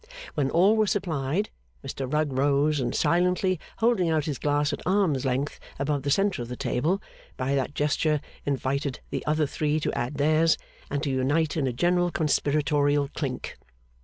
When all were supplied, Mr Rugg rose, and silently holding out his glass at arm's length above the centre of the table, by that gesture invited the other three to add theirs, and to unite in a general conspiratorial clink.